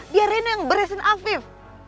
dia reno yang beresin afif